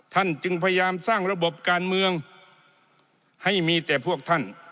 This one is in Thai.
จึงพยายามสร้างระบบการเมืองให้มีแต่พวกท่าน